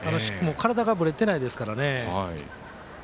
体が、ぶれてないですからね。